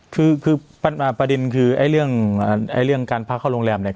คือคือประมาณประเด็นคือไอ้เรื่องอ่าไอ้เรื่องการพักเข้าโรงแรมเนี่ย